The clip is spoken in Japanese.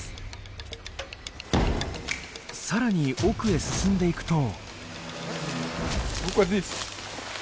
更に奥へ進んでいくと。